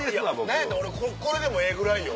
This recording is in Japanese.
何やったら俺これでもええぐらいよ。